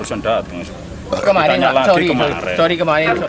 sudah kamu duduk